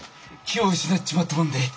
気を失っちまったもんで。